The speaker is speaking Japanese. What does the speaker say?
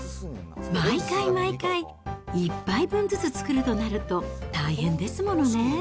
毎回毎回１杯分ずつ作るとなると、大変ですものね。